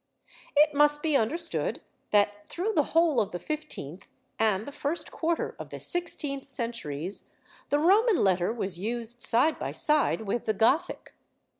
It must be understood that through the whole of the fifteenth and the first quarter of the sixteenth centuries the Roman letter was used side by side with the Gothic.